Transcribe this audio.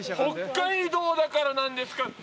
北海道だからなんですか。